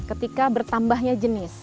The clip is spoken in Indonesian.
ketika bertambahnya jenis